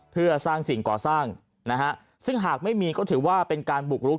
เพื่อสร้างสิ่งก่อสร้างนะฮะซึ่งหากไม่มีก็ถือว่าเป็นการบุกรุก